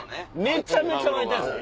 めちゃめちゃ沸いてるんです。